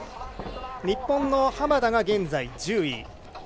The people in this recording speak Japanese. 日本の浜田が現在、１０位。